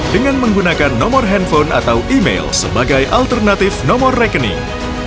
dengan menggunakan nomor handphone atau email sebagai alternatif nomor rekening